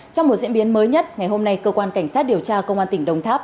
trong một diễn biến mới nhất ngày hôm nay cơ quan cảnh sát điều tra công an tỉnh đồng tháp